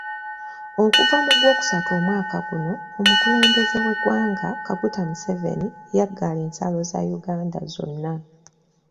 Okuva mu gw'okusatu omwaka guno, omukulembeze w'eggwanga Kaguta Museveni yaggala ensalo za Uganda zonna.